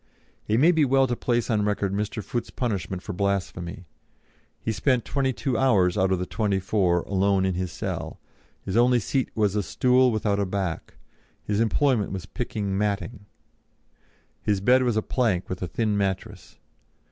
It may be well to place on record Mr. Foote's punishment for blasphemy: he spent twenty two hours out of the twenty four alone in his cell; his only seat was a stool without a back; his employment was picking matting; his bed was a plank with a thin mattress.